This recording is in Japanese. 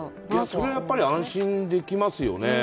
それはやっぱり安心できますよね。